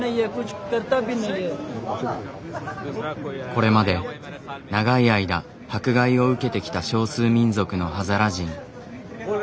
これまで長い間迫害を受けてきた少数民族のハザラ人。